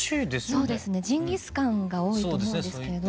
そうですねジンギスカンが多いと思うんですけど。